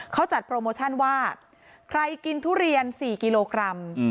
เขาจัดโปรโมชั่นว่าใครกินทุเรียน๔กิโลกรัม